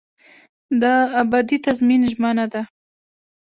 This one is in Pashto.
دا ابدي تضمین ژمنه ده.